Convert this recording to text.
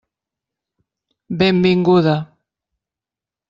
Benvinguda.